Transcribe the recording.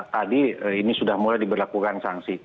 tadi ini sudah mulai diberlakukan sanksi